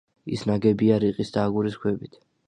ის ნაგებია რიყისა და აგურის ქვებით.